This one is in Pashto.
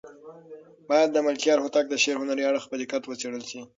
باید د ملکیار هوتک د شعر هنري اړخ په دقت وڅېړل شي.